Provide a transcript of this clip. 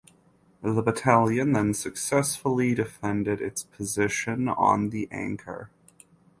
The battalion then successfully defended its position on the Ancre.